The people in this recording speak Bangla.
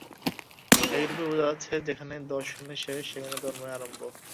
এইরূপে বোঝা যাচ্ছে, যেখানে দর্শনের শেষ সেখানে ধর্মের আরম্ভ।